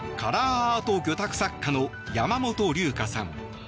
アート魚拓作家の山本龍香さん。